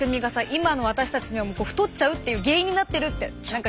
今の私たちには太っちゃうっていう原因になってるって何か残念ね。